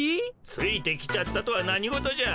ついてきちゃったとは何事じゃ。